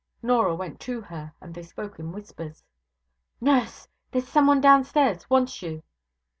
Norah went to her, and they spoke in whispers. 'Nurse! there's someone downstairs wants you.'